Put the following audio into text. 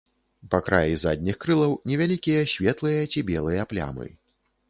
Па краі задніх крылаў невялікія светлыя ці белыя плямы.